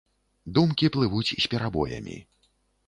Думкі плывуць з перабоямі.